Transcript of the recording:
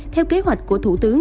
theo kế hoạch của thủ tướng